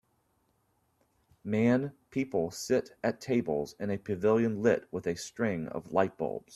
Man people sit at tables in a pavilion lit with a string of lightbulbs.